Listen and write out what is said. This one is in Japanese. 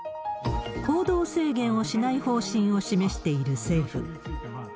行動制限をしない方針を示している政府。